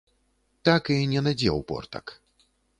Так і не надзеў портак.